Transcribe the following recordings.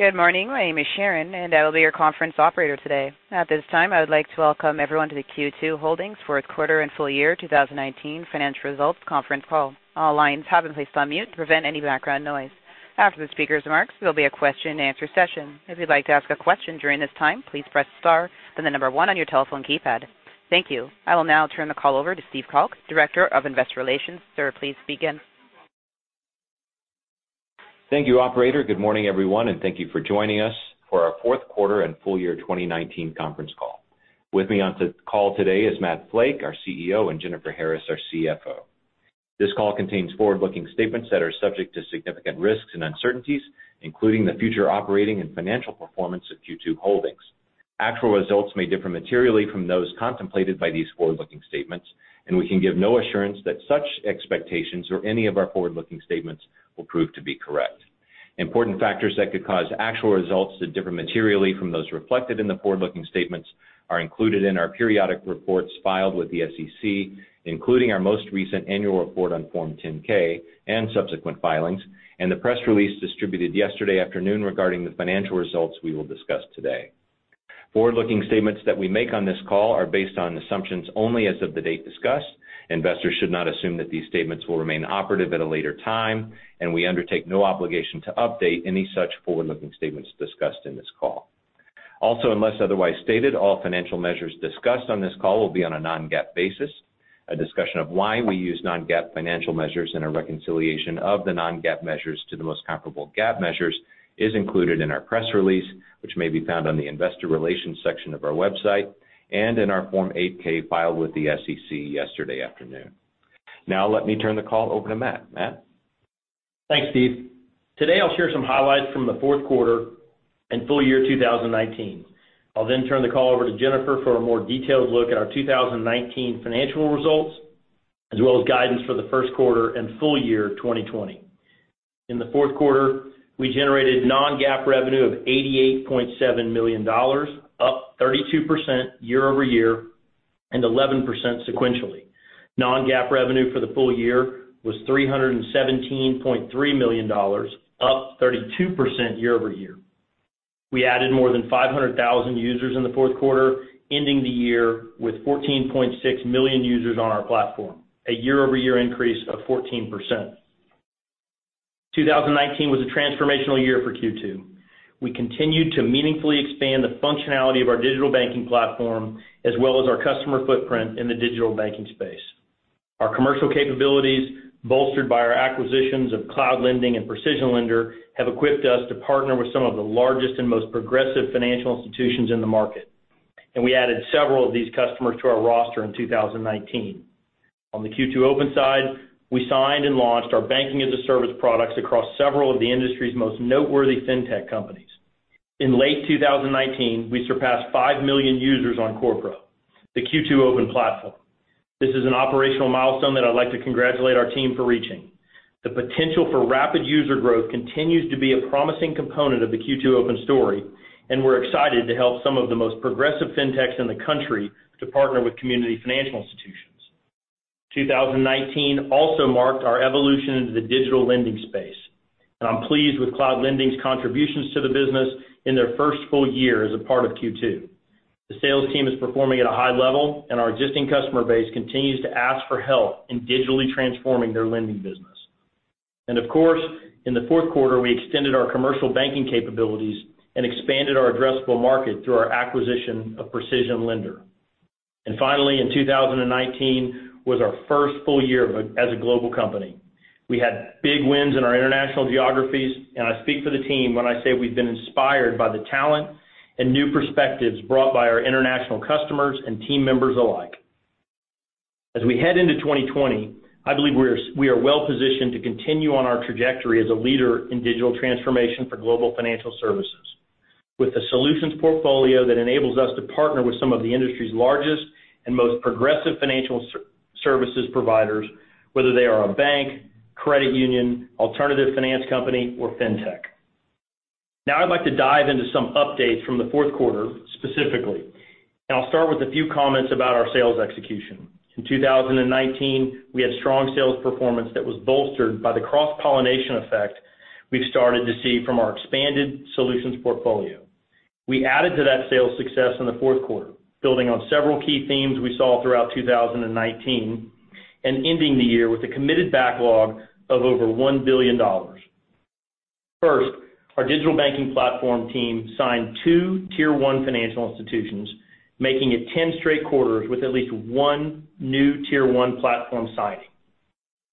Good morning. My name is Sharon. I will be your conference operator today. At this time, I would like to welcome everyone to the Q2 Holdings fourth quarter and full year 2019 financial results conference call. All lines have been placed on mute to prevent any background noise. After the speaker's remarks, there'll be a question and answer session. If you'd like to ask a question during this time, please press star, then the number one on your telephone keypad. Thank you. I will now turn the call over to Steve Calk, Director of Investor Relations. Sir, please begin. Thank you, operator. Good morning, everyone, and thank you for joining us for our fourth quarter and full year 2019 conference call. With me on the call today is Matt Flake, our CEO, and Jennifer Harris, our CFO. This call contains forward-looking statements that are subject to significant risks and uncertainties, including the future operating and financial performance of Q2 Holdings. Actual results may differ materially from those contemplated by these forward-looking statements. We can give no assurance that such expectations or any of our forward-looking statements will prove to be correct. Important factors that could cause actual results to differ materially from those reflected in the forward-looking statements are included in our periodic reports filed with the SEC, including our most recent annual report on Form 10-K and subsequent filings and the press release distributed yesterday afternoon regarding the financial results we will discuss today. Forward-looking statements that we make on this call are based on assumptions only as of the date discussed. Investors should not assume that these statements will remain operative at a later time, and we undertake no obligation to update any such forward-looking statements discussed in this call. Unless otherwise stated, all financial measures discussed on this call will be on a non-GAAP basis. A discussion of why we use non-GAAP financial measures and a reconciliation of the non-GAAP measures to the most comparable GAAP measures is included in our press release, which may be found on the investor relations section of our website and in our Form 8-K filed with the SEC yesterday afternoon. Now let me turn the call over to Matt. Matt? Thanks, Steve. Today, I'll share some highlights from the fourth quarter and full year 2019. I'll turn the call over to Jennifer for a more detailed look at our 2019 financial results, as well as guidance for the first quarter and full year 2020. In the fourth quarter, we generated non-GAAP revenue of $88.7 million, up 32% year-over-year and 11% sequentially. Non-GAAP revenue for the full year was $317.3 million, up 32% year-over-year. We added more than 500,000 users in the fourth quarter, ending the year with 14.6 million users on our platform, a year-over-year increase of 14%. 2019 was a transformational year for Q2. We continued to meaningfully expand the functionality of our digital banking platform, as well as our customer footprint in the digital banking space. Our commercial capabilities, bolstered by our acquisitions of Cloud Lending and PrecisionLender, have equipped us to partner with some of the largest and most progressive financial institutions in the market, and we added several of these customers to our roster in 2019. On the Q2 Open side, we signed and launched our banking as a service products across several of the industry's most noteworthy fintech companies. In late 2019, we surpassed 5 million users on CorePro, the Q2 Open platform. This is an operational milestone that I'd like to congratulate our team for reaching. The potential for rapid user growth continues to be a promising component of the Q2 Open story, and we're excited to help some of the most progressive fintechs in the country to partner with community financial institutions. 2019 also marked our evolution into the digital lending space, and I'm pleased with Cloud Lending's contributions to the business in their first full year as a part of Q2. The sales team is performing at a high level. Our existing customer base continues to ask for help in digitally transforming their lending business. In the fourth quarter, we extended our commercial banking capabilities and expanded our addressable market through our acquisition of PrecisionLender. Finally, in 2019 was our first full year as a global company. We had big wins in our international geographies, and I speak for the team when I say we've been inspired by the talent and new perspectives brought by our international customers and team members alike. As we head into 2020, I believe we are well-positioned to continue on our trajectory as a leader in digital transformation for global financial services. With a solutions portfolio that enables us to partner with some of the industry's largest and most progressive financial services providers, whether they are a bank, credit union, alternative finance company, or fintech. Now I'd like to dive into some updates from the fourth quarter specifically, and I'll start with a few comments about our sales execution. In 2019, we had strong sales performance that was bolstered by the cross-pollination effect we've started to see from our expanded solutions portfolio. We added to that sales success in the fourth quarter, building on several key themes we saw throughout 2019 and ending the year with a committed backlog of over $1 billion. First, our digital banking platform team signed two Tier 1 financial institutions, making it 10 straight quarters with at least one new Tier 1 platform signing.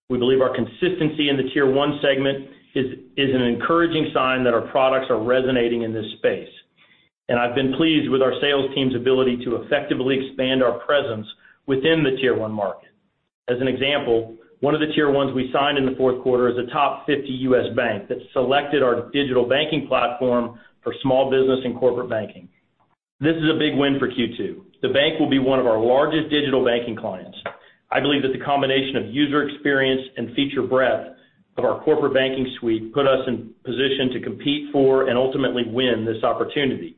We believe our consistency in the tier-one segment is an encouraging sign that our products are resonating in this space, and I've been pleased with our sales team's ability to effectively expand our presence within the tier-one market. As an example, one of the Tier 1s we signed in the fourth quarter is a top 50 U.S. bank that selected our digital banking platform for small business and corporate banking. This is a big win for Q2. The bank will be one of our largest digital banking clients. I believe that the combination of user experience and feature breadth of our corporate banking suite put us in position to compete for and ultimately win this opportunity.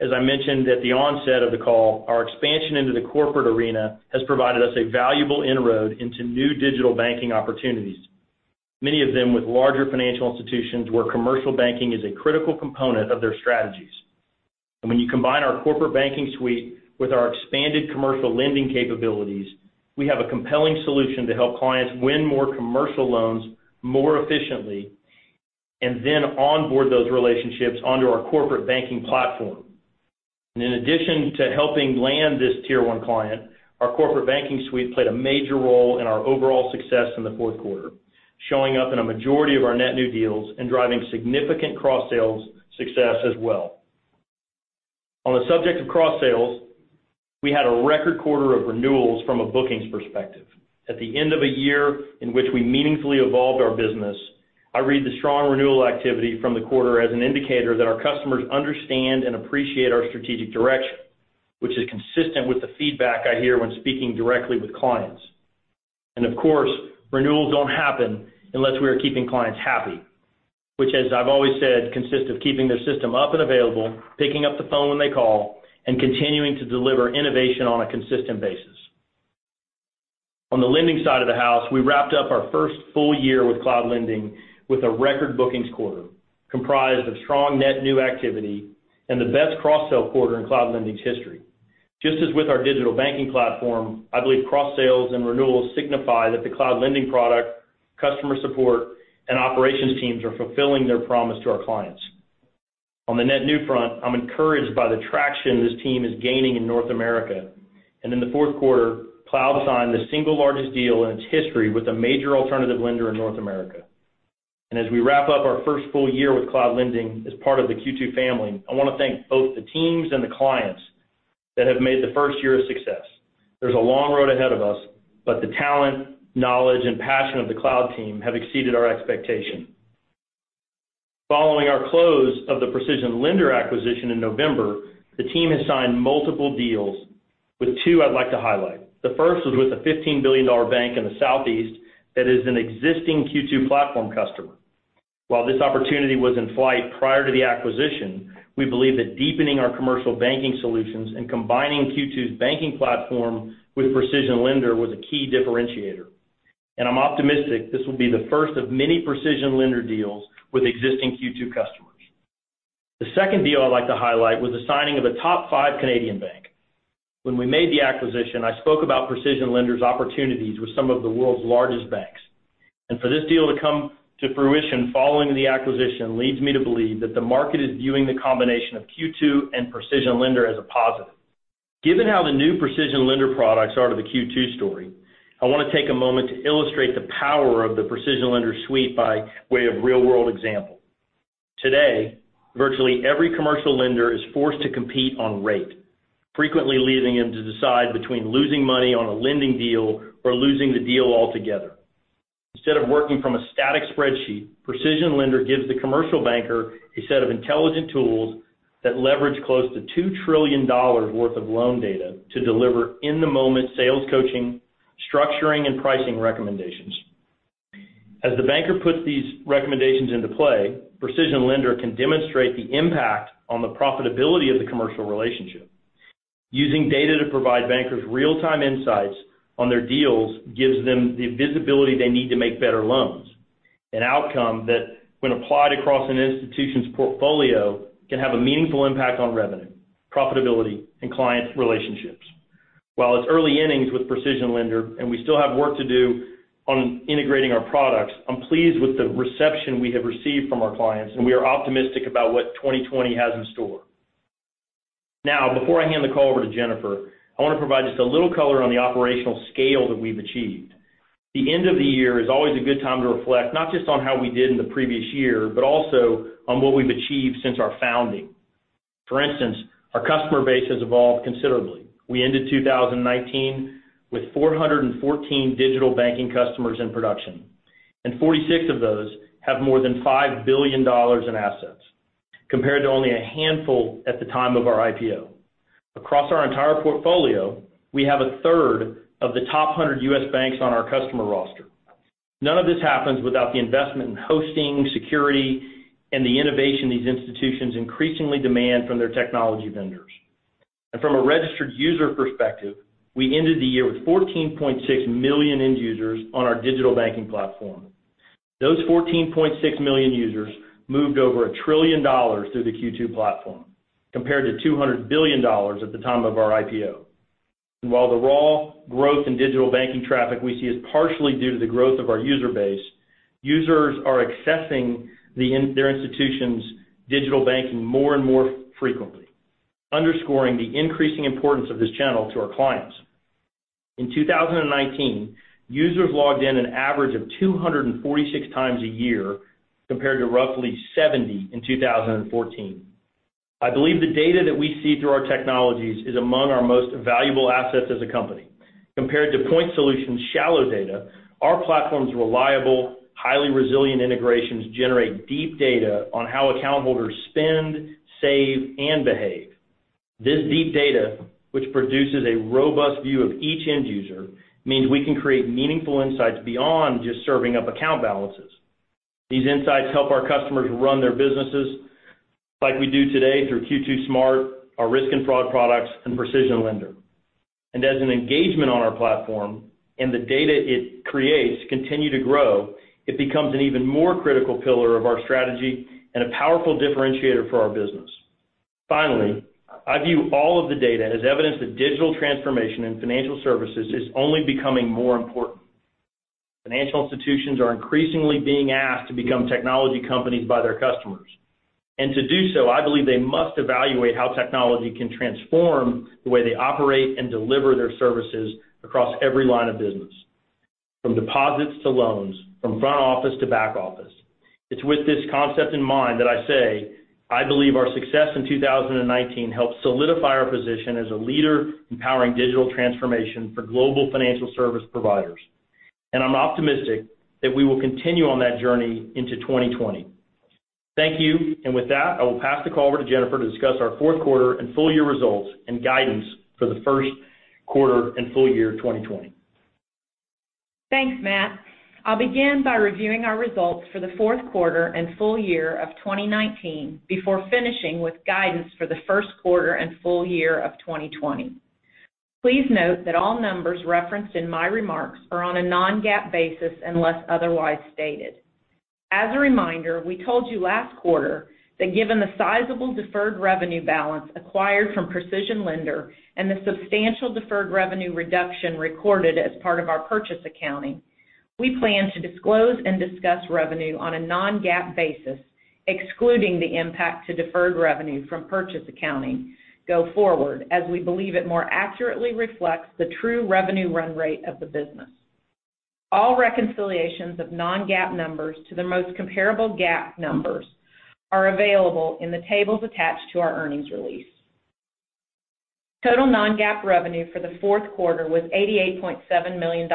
As I mentioned at the onset of the call, our expansion into the corporate arena has provided us a valuable inroad into new digital banking opportunities, many of them with larger financial institutions where commercial banking is a critical component of their strategies. When you combine our corporate banking suite with our expanded commercial lending capabilities, we have a compelling solution to help clients win more commercial loans more efficiently, then onboard those relationships onto our corporate banking platform. In addition to helping land this Tier 1 client, our corporate banking suite played a major role in our overall success in the fourth quarter, showing up in a majority of our net new deals and driving significant cross-sales success as well. On the subject of cross-sales, we had a record quarter of renewals from a bookings perspective. At the end of a year in which we meaningfully evolved our business, I read the strong renewal activity from the quarter as an indicator that our customers understand and appreciate our strategic direction, which is consistent with the feedback I hear when speaking directly with clients. Of course, renewals don't happen unless we are keeping clients happy, which as I've always said consists of keeping their system up and available, picking up the phone when they call, and continuing to deliver innovation on a consistent basis. On the lending side of the house, we wrapped up our first full year with Cloud Lending with a record bookings quarter, comprised of strong net new activity and the best cross-sell quarter in Cloud Lending's history. Just as with our digital banking platform, I believe cross-sales and renewals signify that the Cloud Lending product, customer support, and operations teams are fulfilling their promise to our clients. On the net new front, I'm encouraged by the traction this team is gaining in North America. In the fourth quarter, Cloud signed the single largest deal in its history with a major alternative lender in North America. As we wrap up our first full year with Cloud Lending as part of the Q2 family, I want to thank both the teams and the clients that have made the first year a success. There's a long road ahead of us, but the talent, knowledge, and passion of the Cloud team have exceeded our expectation. Following our close of the PrecisionLender acquisition in November, the team has signed multiple deals, with two I'd like to highlight. The first was with a $15 billion bank in the Southeast that is an existing Q2 platform customer. While this opportunity was in flight prior to the acquisition, we believe that deepening our commercial banking solutions and combining Q2's banking platform with PrecisionLender was a key differentiator. I'm optimistic this will be the first of many PrecisionLender deals with existing Q2 customers. The second deal I'd like to highlight was the signing of a top five Canadian bank. When we made the acquisition, I spoke about PrecisionLender's opportunities with some of the world's largest banks. For this deal to come to fruition following the acquisition leads me to believe that the market is viewing the combination of Q2 and PrecisionLender as a positive. Given how the new PrecisionLender products are to the Q2 story, I want to take a moment to illustrate the power of the PrecisionLender suite by way of real-world example. Today, virtually every commercial lender is forced to compete on rate, frequently leaving them to decide between losing money on a lending deal or losing the deal altogether. Instead of working from a static spreadsheet, PrecisionLender gives the commercial banker a set of intelligent tools that leverage close to $2 trillion worth of loan data to deliver in-the-moment sales coaching, structuring, and pricing recommendations. As the banker puts these recommendations into play, PrecisionLender can demonstrate the impact on the profitability of the commercial relationship. Using data to provide bankers real-time insights on their deals gives them the visibility they need to make better loans, an outcome that when applied across an institution's portfolio, can have a meaningful impact on revenue, profitability, and client relationships. While it's early innings with PrecisionLender and we still have work to do on integrating our products, I'm pleased with the reception we have received from our clients, and we are optimistic about what 2020 has in store. Now, before I hand the call over to Jennifer, I want to provide just a little color on the operational scale that we've achieved. The end of the year is always a good time to reflect, not just on how we did in the previous year, but also on what we've achieved since our founding. For instance, our customer base has evolved considerably. We ended 2019 with 414 digital banking customers in production. 46 of those have more than $5 billion in assets, compared to only a handful at the time of our IPO. Across our entire portfolio, we have a third of the top 100 U.S. banks on our customer roster. None of this happens without the investment in hosting, security, and the innovation these institutions increasingly demand from their technology vendors. From a registered user perspective, we ended the year with 14.6 million end users on our digital banking platform. Those 14.6 million users moved over $1 trillion through the Q2 platform, compared to $200 billion at the time of our IPO. While the raw growth in digital banking traffic we see is partially due to the growth of our user base, users are accessing their institution's digital banking more and more frequently, underscoring the increasing importance of this channel to our clients. In 2019, users logged in an average of 246x a year, compared to roughly 70 in 2014. I believe the data that we see through our technologies is among our most valuable assets as a company. Compared to point solution shallow data, our platform's reliable, highly resilient integrations generate deep data on how account holders spend, save, and behave. This deep data, which produces a robust view of each end user, means we can create meaningful insights beyond just serving up account balances. These insights help our customers run their businesses like we do today through Q2 SMART, our risk and fraud products, and PrecisionLender. As an engagement on our platform and the data it creates continue to grow, it becomes an even more critical pillar of our strategy and a powerful differentiator for our business. Finally, I view all of the data as evidence that digital transformation in financial services is only becoming more important. Financial institutions are increasingly being asked to become technology companies by their customers. To do so, I believe they must evaluate how technology can transform the way they operate and deliver their services across every line of business, from deposits to loans, from front office to back office. It's with this concept in mind that I say, I believe our success in 2019 helped solidify our position as a leader in powering digital transformation for global financial service providers. I'm optimistic that we will continue on that journey into 2020. Thank you. With that, I will pass the call over to Jennifer to discuss our fourth quarter and full year results and guidance for the first quarter and full year 2020. Thanks, Matt Flake. I'll begin by reviewing our results for the fourth quarter and full year of 2019 before finishing with guidance for the first quarter and full year of 2020. Please note that all numbers referenced in my remarks are on a non-GAAP basis unless otherwise stated. As a reminder, we told you last quarter that given the sizable deferred revenue balance acquired from PrecisionLender and the substantial deferred revenue reduction recorded as part of our purchase accounting go forward, as we believe it more accurately reflects the true revenue run rate of the business. All reconciliations of non-GAAP numbers to their most comparable GAAP numbers are available in the tables attached to our earnings release. Total non-GAAP revenue for the fourth quarter was $88.7 million,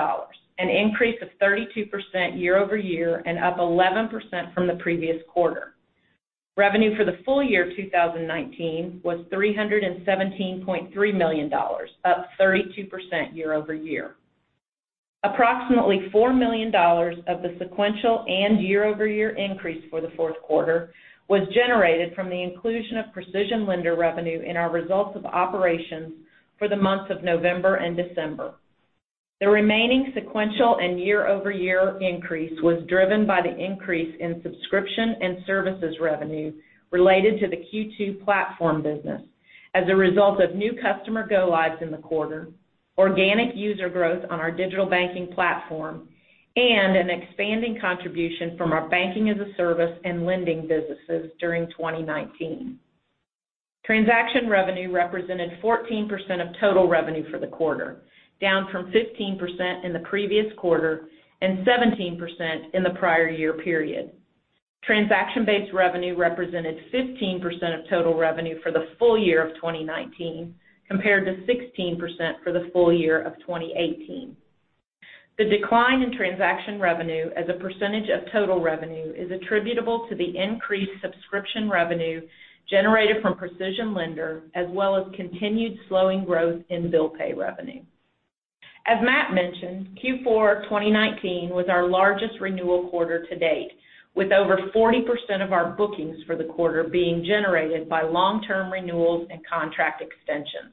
an increase of 32% year-over-year and up 11% from the previous quarter. Revenue for the full year 2019 was $317.3 million, up 32% year-over-year. Approximately $4 million of the sequential and year-over-year increase for the fourth quarter was generated from the inclusion of PrecisionLender revenue in our results of operations for the months of November and December. The remaining sequential and year-over-year increase was driven by the increase in subscription and services revenue related to the Q2 platform business as a result of new customer go-lives in the quarter, organic user growth on our digital banking platform, and an expanding contribution from our banking as a service and lending businesses during 2019. Transaction revenue represented 14% of total revenue for the quarter, down from 15% in the previous quarter and 17% in the prior year period. Transaction-based revenue represented 15% of total revenue for the full year of 2019, compared to 16% for the full year of 2018. The decline in transaction revenue as a percentage of total revenue is attributable to the increased subscription revenue generated from PrecisionLender, as well as continued slowing growth in bill pay revenue. As Matt mentioned, Q4 2019 was our largest renewal quarter to date, with over 40% of our bookings for the quarter being generated by long-term renewals and contract extensions.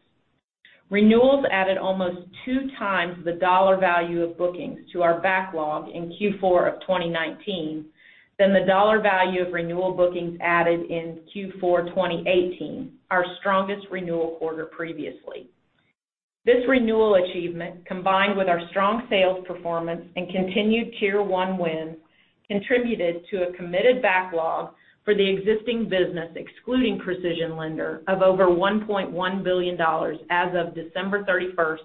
Renewals added almost 2x the dollar value of bookings to our backlog in Q4 of 2019 than the dollar value of renewal bookings added in Q4 2018, our strongest renewal quarter previously. This renewal achievement, combined with our strong sales performance and continued Tier 1 wins, contributed to a committed backlog for the existing business excluding PrecisionLender of over $1.1 billion as of December 31st,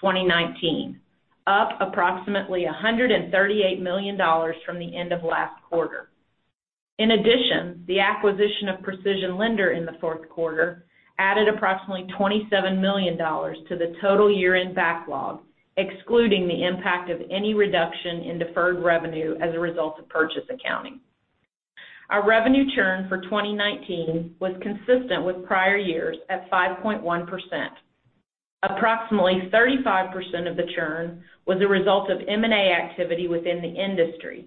2019, up approximately $138 million from the end of last quarter. In addition, the acquisition of PrecisionLender in the fourth quarter added approximately $27 million to the total year-end backlog, excluding the impact of any reduction in deferred revenue as a result of purchase accounting. Our revenue churn for 2019 was consistent with prior years at 5.1%. Approximately 35% of the churn was a result of M&A activity within the industry,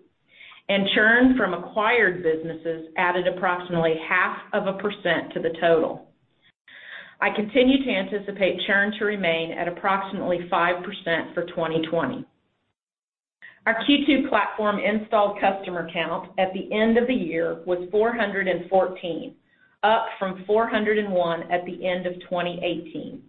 and churn from acquired businesses added approximately half of a percent to the total. I continue to anticipate churn to remain at approximately 5% for 2020. Our Q2 Platform installed customer count at the end of the year was 414, up from 401 at the end of 2018.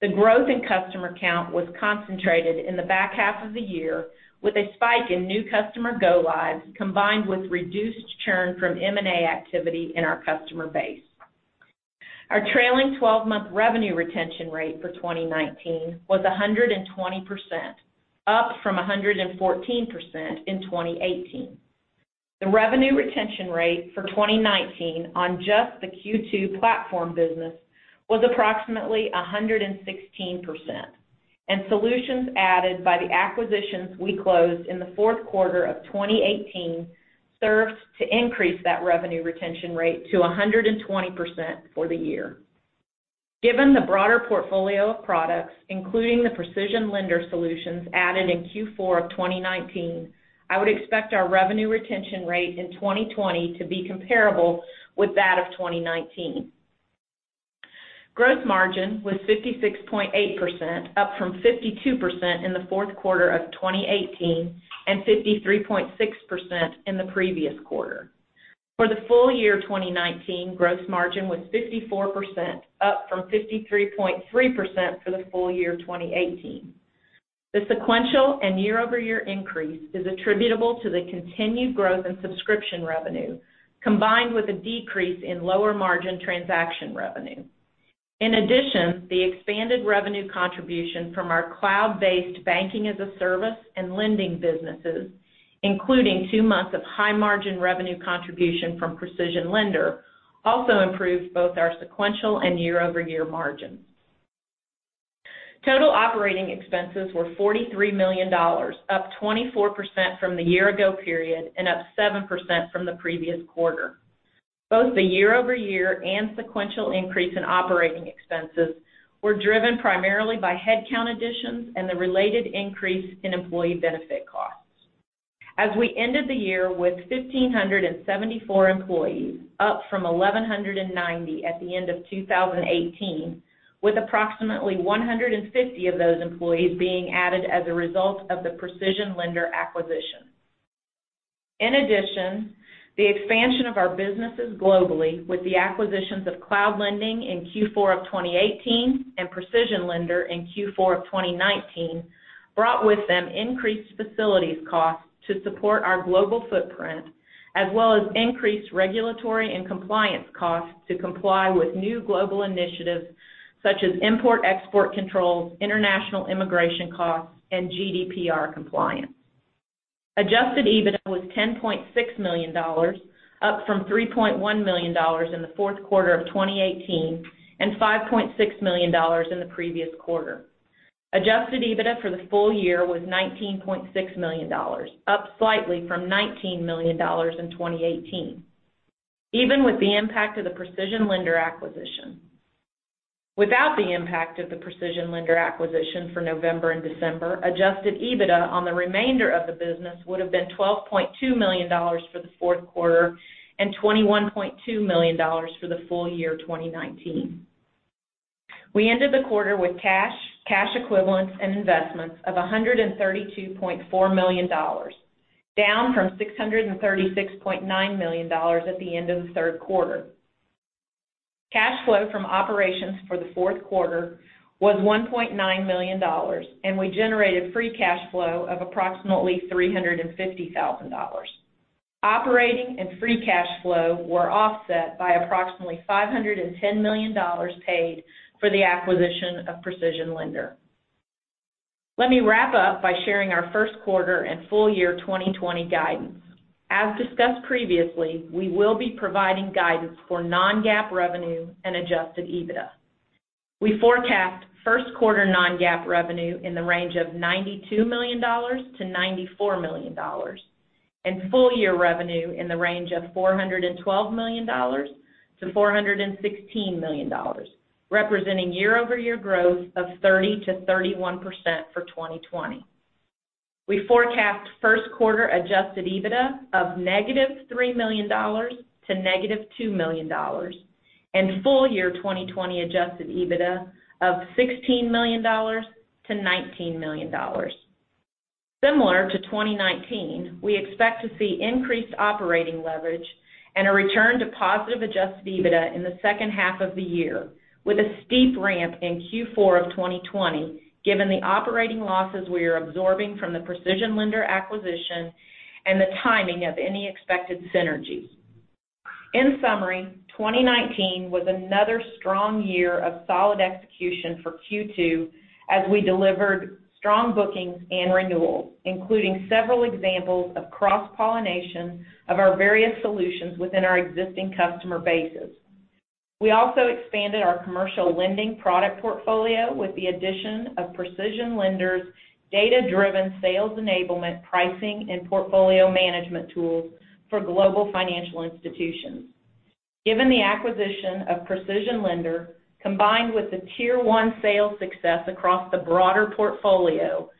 The growth in customer count was concentrated in the back half of the year with a spike in new customer go-lives combined with reduced churn from M&A activity in our customer base. Our trailing 12-month revenue retention rate for 2019 was 120%, up from 114% in 2018. The revenue retention rate for 2019 on just the Q2 platform business was approximately 116%. Solutions added by the acquisitions we closed in the fourth quarter of 2018 served to increase that revenue retention rate to 120% for the year. Given the broader portfolio of products, including the PrecisionLender solutions added in Q4 of 2019, I would expect our revenue retention rate in 2020 to be comparable with that of 2019. Gross margin was 56.8%, up from 52% in the fourth quarter of 2018, and 53.6% in the previous quarter. For the full year 2019, gross margin was 54%, up from 53.3% for the full year 2018. The sequential and year-over-year increase is attributable to the continued growth in subscription revenue, combined with a decrease in lower margin transaction revenue. In addition, the expanded revenue contribution from our cloud-based banking as a service and lending businesses, including two months of high margin revenue contribution from PrecisionLender, also improved both our sequential and year-over-year margins. Total operating expenses were $43 million, up 24% from the year ago period, and up 7% from the previous quarter. Both the year-over-year and sequential increase in operating expenses were driven primarily by headcount additions and the related increase in employee benefit costs. As we ended the year with 1,574 employees, up from 1,190 at the end of 2018, with approximately 150 of those employees being added as a result of the PrecisionLender acquisition. In addition, the expansion of our businesses globally with the acquisitions of Cloud Lending in Q4 of 2018 and PrecisionLender in Q4 of 2019, brought with them increased facilities costs to support our global footprint, as well as increased regulatory and compliance costs to comply with new global initiatives such as import-export controls, international immigration costs, and GDPR compliance. Adjusted EBITDA was $10.6 million, up from $3.1 million in the fourth quarter of 2018, and $5.6 million in the previous quarter. Adjusted EBITDA for the full year was $19.6 million, up slightly from $19 million in 2018, even with the impact of the PrecisionLender acquisition. Without the impact of the PrecisionLender acquisition for November and December, adjusted EBITDA on the remainder of the business would've been $12.2 million for the fourth quarter and $21.2 million for the full year 2019. We ended the quarter with cash equivalents, and investments of $132.4 million, down from $636.9 million at the end of the third quarter. Cash flow from operations for the fourth quarter was $1.9 million, and we generated free cash flow of approximately $350,000. Operating and free cash flow were offset by approximately $510 million paid for the acquisition of PrecisionLender. Let me wrap up by sharing our first quarter and full year 2020 guidance. As discussed previously, we will be providing guidance for non-GAAP revenue and adjusted EBITDA. We forecast first quarter non-GAAP revenue in the range of $92 million-$94 million, and full year revenue in the range of $412 million-$416 million, representing year-over-year growth of 30%-31% for 2020. We forecast first quarter adjusted EBITDA of -$3 million to -$2 million, and full year 2020 adjusted EBITDA of $16 million-$19 million. Similar to 2019, we expect to see increased operating leverage and a return to positive adjusted EBITDA in the second half of the year, with a steep ramp in Q4 of 2020, given the operating losses we are absorbing from the PrecisionLender acquisition and the timing of any expected synergies. In summary, 2019 was another strong year of solid execution for Q2, as we delivered strong bookings and renewals, including several examples of cross-pollination of our various solutions within our existing customer bases. We also expanded our commercial lending product portfolio with the addition of PrecisionLender's data-driven sales enablement pricing and portfolio management tools for global financial institutions. Given the acquisition of PrecisionLender, combined with the Tier 1 sales success across the broader portfolio,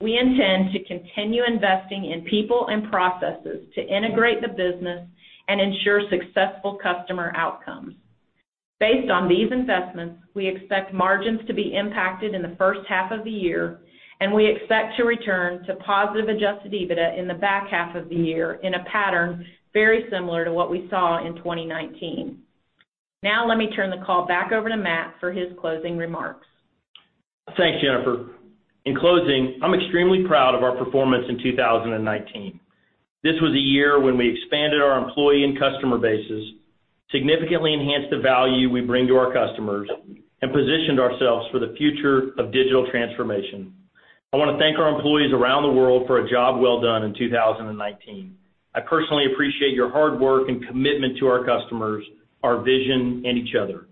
we intend to continue investing in people and processes to integrate the business and ensure successful customer outcomes. Based on these investments, we expect margins to be impacted in the first half of the year, and we expect to return to positive adjusted EBITDA in the back half of the year in a pattern very similar to what we saw in 2019. Let me turn the call back over to Matt for his closing remarks. Thanks, Jennifer. In closing, I'm extremely proud of our performance in 2019. This was a year when we expanded our employee and customer bases, significantly enhanced the value we bring to our customers, and positioned ourselves for the future of digital transformation. I want to thank our employees around the world for a job well done in 2019. I personally appreciate your hard work and commitment to our customers, our vision, and each other.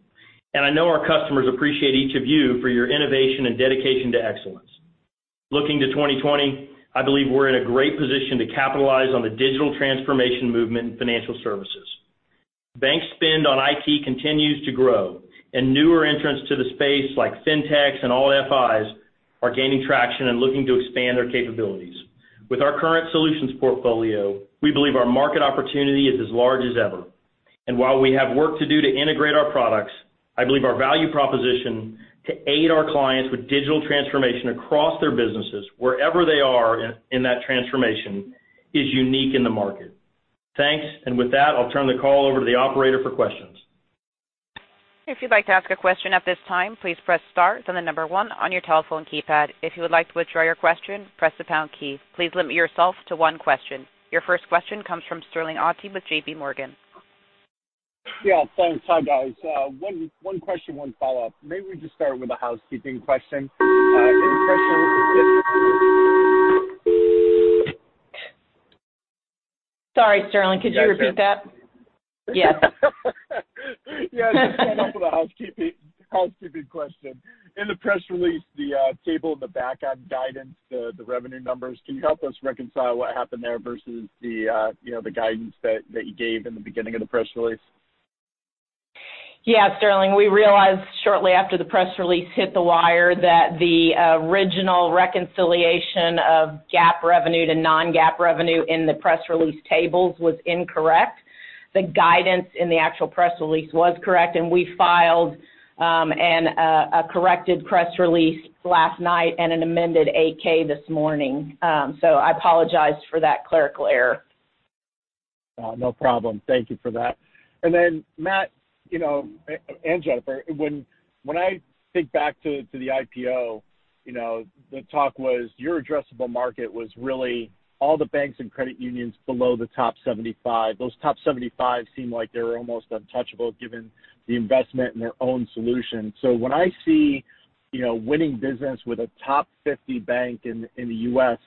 I know our customers appreciate each of you for your innovation and dedication to excellence. Looking to 2020, I believe we're in a great position to capitalize on the digital transformation movement in financial services. Bank spend on IT continues to grow, and newer entrants to the space like Fintechs and alt-fi are gaining traction and looking to expand their capabilities. With our current solutions portfolio, we believe our market opportunity is as large as ever. While we have work to do to integrate our products, I believe our value proposition to aid our clients with digital transformation across their businesses, wherever they are in that transformation, is unique in the market. Thanks. With that, I'll turn the call over to the operator for questions. If you'd like to ask a question at this time, please press star, then the number one on your telephone keypad. If you would like to withdraw your question, press the pound key. Please limit yourself to one question. Your first question comes from Sterling Auty with JPMorgan. Yeah, thanks. Hi, guys. One question, one follow-up. Maybe we just start with a housekeeping question. Sorry, Sterling, could you repeat that? Yes. Yes. Just start off with a housekeeping question. In the press release, the table in the back on guidance, the revenue numbers, can you help us reconcile what happened there versus the guidance that you gave in the beginning of the press release? Yeah, Sterling. We realized shortly after the press release hit the wire that the original reconciliation of GAAP revenue to non-GAAP revenue in the press release tables was incorrect. The guidance in the actual press release was correct, and we filed a corrected press release last night and an amended 8-K this morning. I apologize for that clerical error. No problem. Thank you for that. Then Matt, and Jennifer, when I think back to the IPO, the talk was your addressable market was really all the banks and credit unions below the top 75. Those top 75 seem like they're almost untouchable given the investment in their own solution. When I see winning business with a top 50 bank in the U.S.,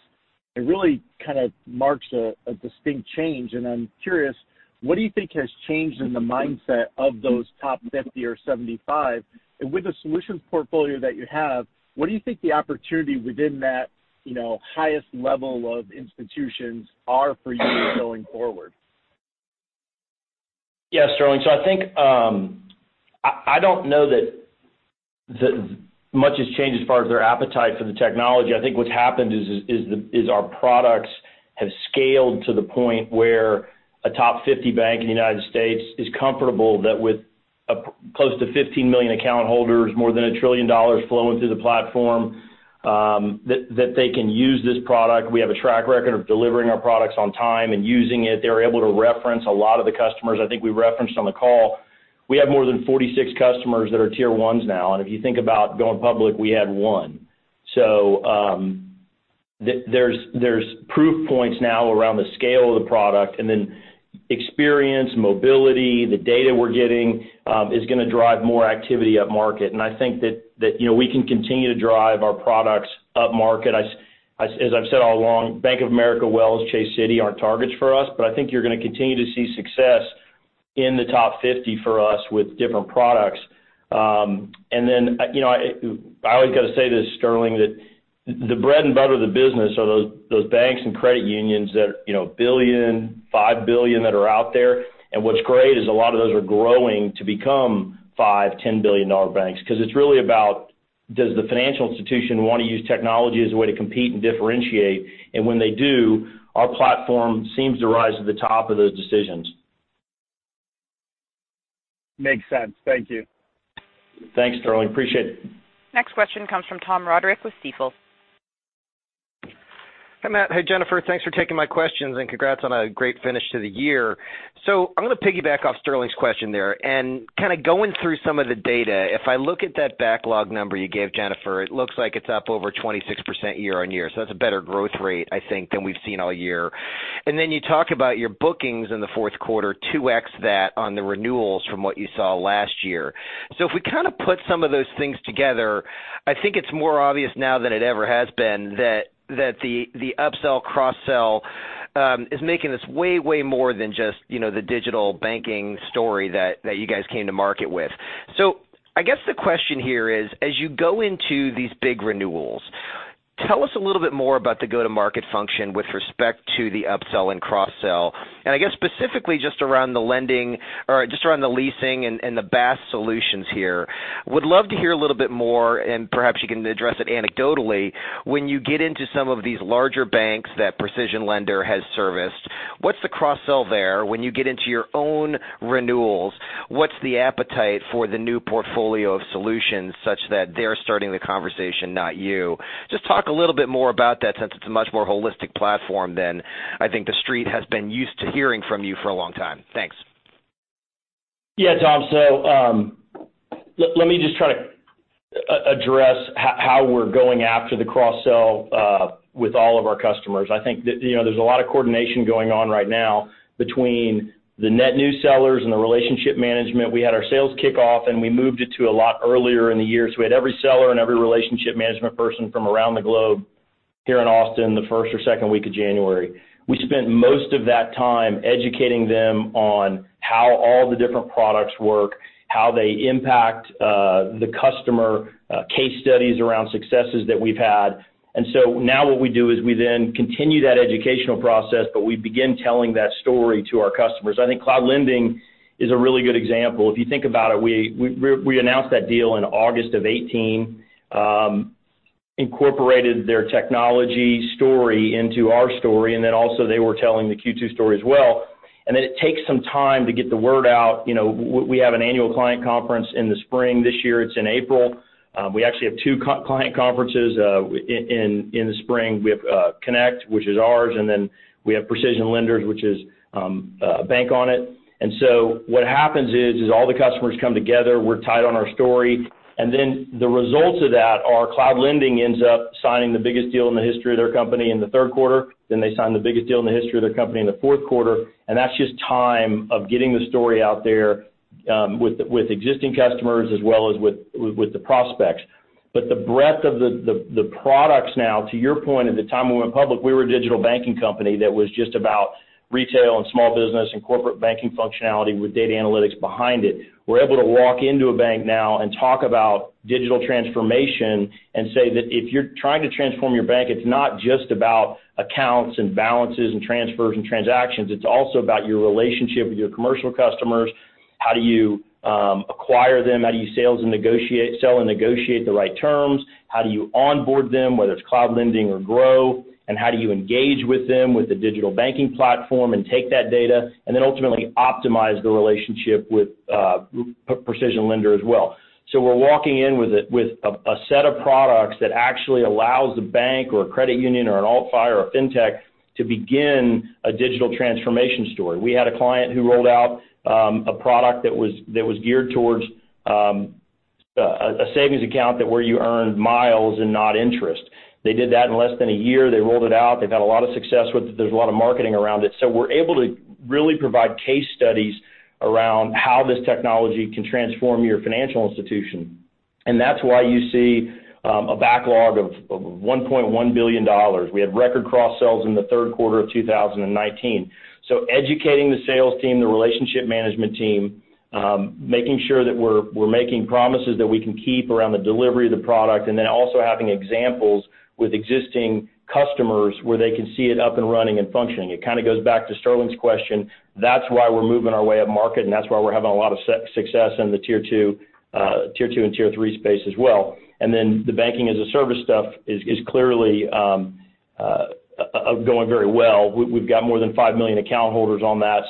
it really kind of marks a distinct change. I'm curious, what do you think has changed in the mindset of those top 50 or 75? With the solutions portfolio that you have, what do you think the opportunity within that highest level of institutions are for you going forward? Yeah, Sterling. I think, I don't know that much has changed as far as their appetite for the technology. I think what's happened is our products have scaled to the point where a top 50 bank in the U.S. is comfortable that with close to 15 million account holders, more than $1 trillion flowing through the platform, that they can use this product. We have a track record of delivering our products on time and using it. They're able to reference a lot of the customers. I think we referenced on the call, we have more than 46 customers that are tier 1s now. If you think about going public, we had one. There's proof points now around the scale of the product, and then experience, mobility, the data we're getting, is going to drive more activity up market. I think that we can continue to drive our products up market. As I've said all along, Bank of America, Wells, Chase, Citi aren't targets for us, but I think you're going to continue to see success in the top 50 for us with different products. I always got to say this, Sterling, that the bread and butter of the business are those banks and credit unions that $1 billion, $5 billion that are out there. What's great is a lot of those are growing to become $5 billion, $10 billion banks. It's really about does the financial institution want to use technology as a way to compete and differentiate? When they do, our platform seems to rise to the top of those decisions. Makes sense. Thank you. Thanks, Sterling. Appreciate it. Next question comes from Tom Roderick with Stifel. Hi, Matt. Hey, Jennifer. Thanks for taking my questions, and congrats on a great finish to the year. I'm going to piggyback off Sterling's question there and kind of going through some of the data. If I look at that backlog number you gave, Jennifer, it looks like it's up over 26% year on year. That's a better growth rate, I think, than we've seen all year. You talk about your bookings in the fourth quarter, 2x that on the renewals from what you saw last year. If we kind of put some of those things together, I think it's more obvious now than it ever has been that the upsell, cross-sell, is making this way more than just the digital banking story that you guys came to market with. I guess the question here is, as you go into these big renewals, tell us a little bit more about the go-to-market function with respect to the upsell and cross-sell, and I guess specifically just around the lending or just around the leasing and the BaaS solutions here. Would love to hear a little bit more, and perhaps you can address it anecdotally, when you get into some of these larger banks that PrecisionLender has serviced, what's the cross-sell there? When you get into your own renewals, what's the appetite for the new portfolio of solutions such that they're starting the conversation, not you? Just talk a little bit more about that since it's a much more holistic platform than I think the street has been used to hearing from you for a long time. Thanks. Yeah, Tom. Let me just try to address how we're going after the cross-sell with all of our customers. I think there's a lot of coordination going on right now between the net new sellers and the relationship management. We had our sales kickoff, and we moved it to a lot earlier in the year. We had every seller and every relationship management person from around the globe here in Austin the first or second week of January. We spent most of that time educating them on how all the different products work, how they impact the customer, case studies around successes that we've had. Now what we do is we then continue that educational process, but we begin telling that story to our customers. I think Cloud Lending is a really good example. If you think about it, we announced that deal in August of 2018, incorporated their technology story into our story, and then also they were telling the Q2 story as well. It takes some time to get the word out. We have an annual client conference in the spring. This year it's in April. We actually have two client conferences in the spring. We have CONNECT, which is ours, and then we have PrecisionLender's, which is BankOnIT. What happens is, all the customers come together, we're tied on our story, and then the results of that are Cloud Lending ends up signing the biggest deal in the history of their company in the third quarter, then they sign the biggest deal in the history of their company in the fourth quarter. That's just time of getting the story out there with existing customers as well as with the prospects. The breadth of the products now, to your point, at the time we went public, we were a digital banking company that was just about retail and small business and corporate banking functionality with data analytics behind it. We're able to walk into a bank now and talk about digital transformation and say that if you're trying to transform your bank, it's not just about accounts and balances and transfers and transactions. It's also about your relationship with your commercial customers. How do you acquire them? How do you sell and negotiate the right terms? How do you onboard them, whether it's Cloud Lending or Gro? How do you engage with them with the digital banking platform and take that data and then ultimately optimize the relationship with PrecisionLender as well? We're walking in with a set of products that actually allows the bank or a credit union or an alt-fi or a fintech to begin a digital transformation story. We had a client who rolled out a product that was geared towards a savings account where you earned miles and not interest. They did that in less than a year. They rolled it out. They've had a lot of success with it. There's a lot of marketing around it. We're able to really provide case studies around how this technology can transform your financial institution. That's why you see a backlog of $1.1 billion. We had record cross-sells in the third quarter of 2019. Educating the sales team, the relationship management team, making sure that we're making promises that we can keep around the delivery of the product, and also having examples with existing customers where they can see it up and running and functioning. It kind of goes back to Sterling's question. That's why we're moving our way up market, and that's why we're having a lot of success in the Tier 2 and Tier 3 space as well. The Banking-as-a-Service stuff is clearly going very well. We've got more than five million account holders on that.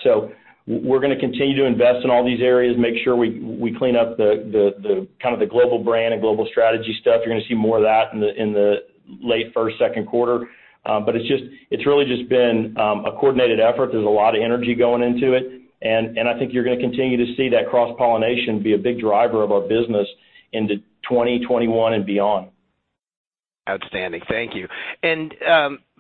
We're going to continue to invest in all these areas, make sure we clean up the global brand and global strategy stuff. You're going to see more of that in the late first, second quarter. It's really just been a coordinated effort. There's a lot of energy going into it. I think you're going to continue to see that cross-pollination be a big driver of our business into 2021 and beyond. Outstanding. Thank you.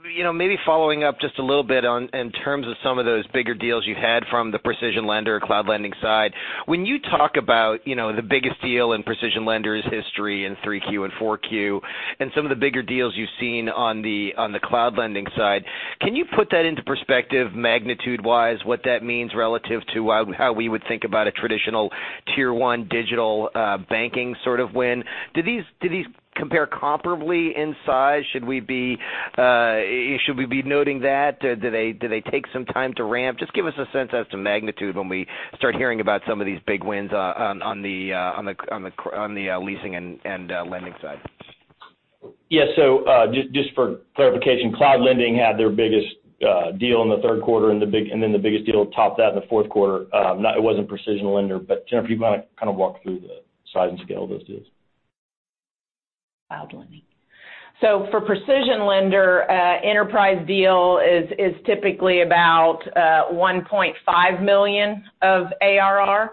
Maybe following up just a little bit in terms of some of those bigger deals you had from the PrecisionLender or Cloud Lending side. When you talk about the biggest deal in PrecisionLender's history in 3Q and 4Q, and some of the bigger deals you've seen on the Cloud Lending side, can you put that into perspective magnitude-wise, what that means relative to how we would think about a traditional Tier 1 digital banking sort of win? Do these compare comparably in size? Should we be noting that? Do they take some time to ramp? Just give us a sense as to magnitude when we start hearing about some of these big wins on the leasing and lending side. Yeah. Just for clarification, Cloud Lending had their biggest deal in the third quarter and then the biggest deal topped that in the fourth quarter. It wasn't PrecisionLender. Jennifer, do you want to kind of walk through the size and scale of those deals? Cloud Lending. For PrecisionLender, enterprise deal is typically about $1.5 million of ARR.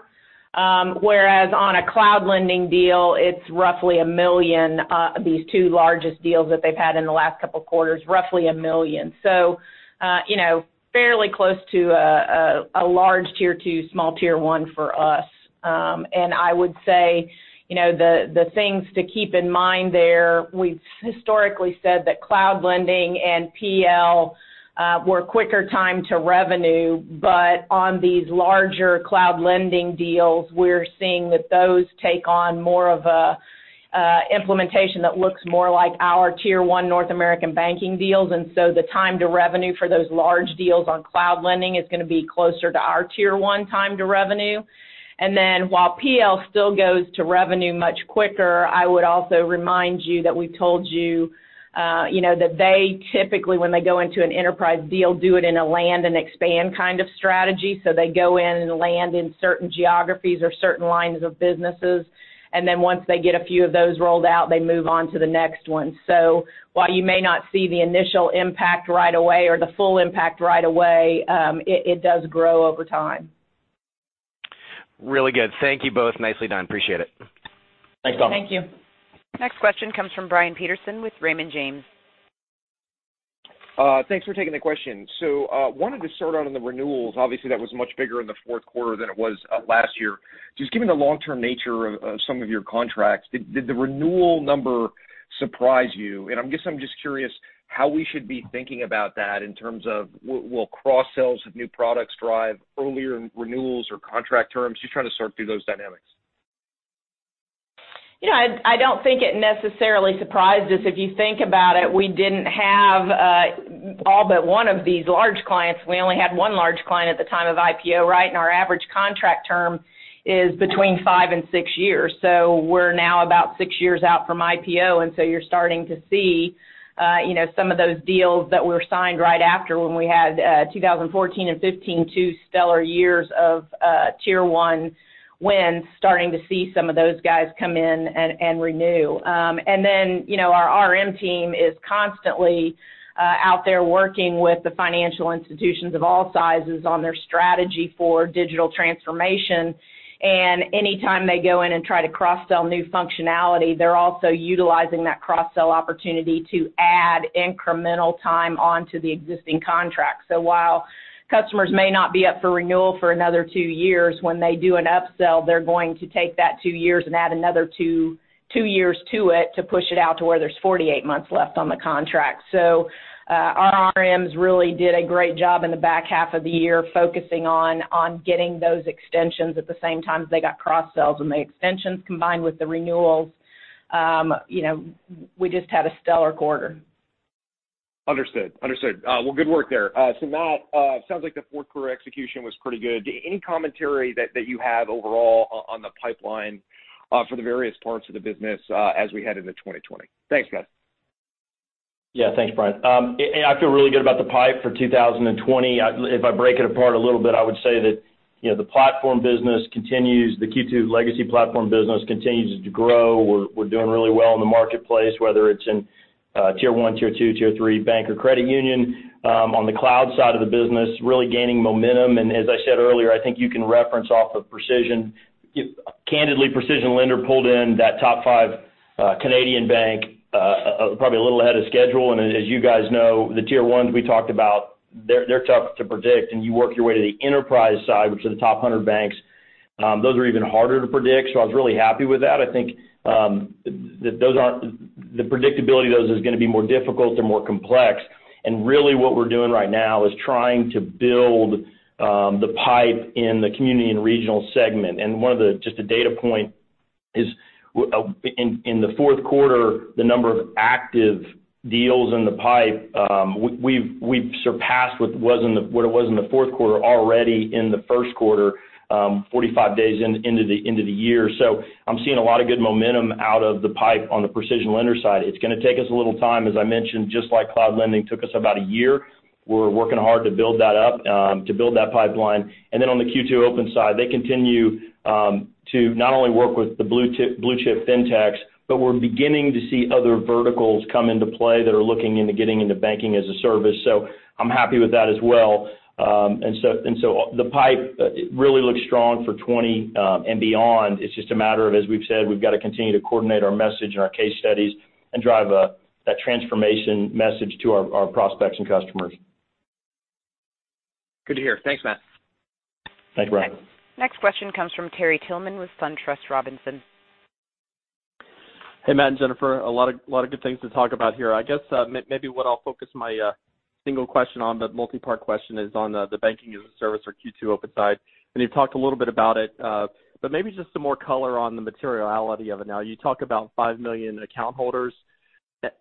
Whereas on a Cloud Lending deal, it's roughly $1 million. These two largest deals that they've had in the last couple of quarters, roughly $1 million. Fairly close to a large Tier 2, small Tier 1 for us. I would say the things to keep in mind there, we've historically said that Cloud Lending and PL were quicker time to revenue. On these larger Cloud Lending deals, we're seeing that those take on more of a implementation that looks more like our Tier 1 North American banking deals. The time to revenue for those large deals on Cloud Lending is going to be closer to our Tier 1 time to revenue. While PL still goes to revenue much quicker, I would also remind you that we told you that they typically, when they go into an enterprise deal, do it in a land-and-expand kind of strategy. They go in and land in certain geographies or certain lines of businesses. Once they get a few of those rolled out, they move on to the next one. While you may not see the initial impact right away or the full impact right away, it does grow over time. Really good. Thank you both. Nicely done. Appreciate it. Thanks, Tom. Thank you. Next question comes from Brian Peterson with Raymond James. Thanks for taking the question. Wanted to start out on the renewals. Obviously, that was much bigger in the fourth quarter than it was last year. Just given the long-term nature of some of your contracts, did the renewal number surprise you? I guess I'm just curious how we should be thinking about that in terms of will cross-sells of new products drive earlier renewals or contract terms? Just trying to sort through those dynamics. I don't think it necessarily surprised us. If you think about it, we didn't have all but one of these large clients. We only had one large client at the time of IPO, right? Our average contract term is between five and six years. We're now about six years out from IPO, you're starting to see some of those deals that were signed right after when we had 2014 and 2015, two stellar years of Tier 1 wins, starting to see some of those guys come in and renew. Our RM team is constantly out there working with the financial institutions of all sizes on their strategy for digital transformation. Anytime they go in and try to cross-sell new functionality, they're also utilizing that cross-sell opportunity to add incremental time onto the existing contract. While customers may not be up for renewal for another two years, when they do an upsell, they're going to take that two years and add another two years to it to push it out to where there's 48 months left on the contract. Our RMs really did a great job in the back half of the year focusing on getting those extensions at the same time as they got cross-sells. The extensions combined with the renewals, we just had a stellar quarter. Understood. Well, good work there. Matt, sounds like the fourth quarter execution was pretty good. Any commentary that you have overall on the pipeline for the various parts of the business as we head into 2020? Thanks, guys. Thanks, Brian. I feel really good about the pipe for 2020. If I break it apart a little bit, I would say that the Q2 legacy platform business continues to grow. We're doing really well in the marketplace, whether it's in Tier 1, Tier 2, Tier 3, bank or credit union. On the cloud side of the business, really gaining momentum. As I said earlier, I think you can reference off of PrecisionLender. Candidly, PrecisionLender pulled in that top five Canadian bank probably a little ahead of schedule. As you guys know, the Tier 1s we talked about, they're tough to predict. You work your way to the enterprise side, which are the top 100 banks, those are even harder to predict. I was really happy with that. I think the predictability of those is going to be more difficult and more complex. Really what we're doing right now is trying to build the pipe in the community and regional segment. Just a data point is in the fourth quarter, the number of active deals in the pipe, we've surpassed what it was in the fourth quarter already in the first quarter, 45 days into the year. I'm seeing a lot of good momentum out of the pipe on the PrecisionLender side. It's going to take us a little time, as I mentioned, just like Cloud Lending took us about a year. We're working hard to build that up, to build that pipeline. Then on the Q2 Open side, they continue to not only work with the blue-chip fintechs, but we're beginning to see other verticals come into play that are looking into getting into banking-as-a-service. I'm happy with that as well. The pipe really looks strong for 2020 and beyond. It's just a matter of, as we've said, we've got to continue to coordinate our message and our case studies and drive that transformation message to our prospects and customers. Good to hear. Thanks, Matt. Thanks, Brian. Thanks. Next question comes from Terry Tillman with SunTrust Robinson. Hey, Matt and Jennifer. A lot of good things to talk about here. I guess maybe what I'll focus my single question on, but multipart question, is on the banking as a service or Q2 Open side. You've talked a little bit about it, but maybe just some more color on the materiality of it now. You talk about $5 million account holders.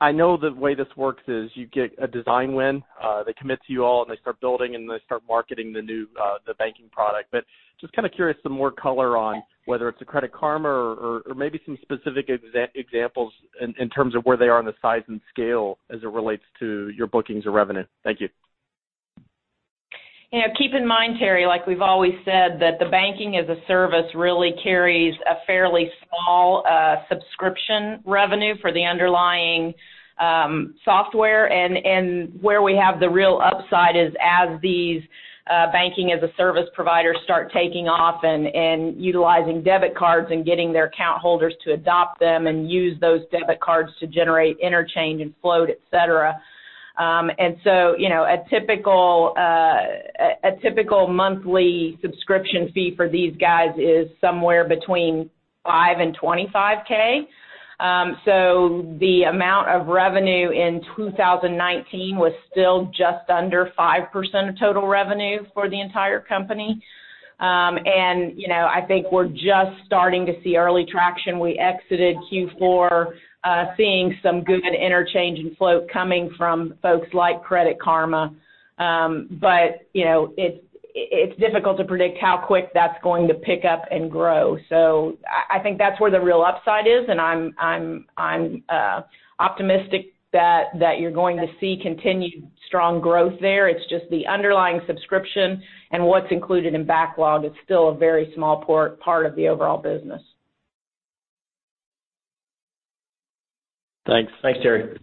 I know the way this works is you get a design win, they commit to you all, and they start building, and they start marketing the banking product. Just kind of curious, some more color on whether it's a Credit Karma or maybe some specific examples in terms of where they are in the size and scale as it relates to your bookings or revenue. Thank you. Keep in mind, Terry, like we've always said, that the banking as a service really carries a fairly small subscription revenue for the underlying software. Where we have the real upside is as these banking as a service providers start taking off and utilizing debit cards and getting their account holders to adopt them and use those debit cards to generate interchange and float, et cetera. A typical monthly subscription fee for these guys is somewhere between $5K and $25K. The amount of revenue in 2019 was still just under 5% of total revenue for the entire company. I think we're just starting to see early traction. We exited Q4 seeing some good interchange and float coming from folks like Credit Karma. It's difficult to predict how quick that's going to pick up and grow. I think that's where the real upside is, and I'm optimistic that you're going to see continued strong growth there. It's just the underlying subscription and what's included in backlog is still a very small part of the overall business. Thanks. Thanks, Terry.